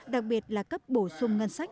đặc biệt là cấp bổ sung ngân sách